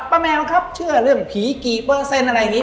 แมวครับเชื่อเรื่องผีกี่เปอร์เซ็นต์อะไรนี้